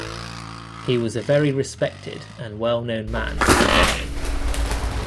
He was a very respected and well-known man in Mali.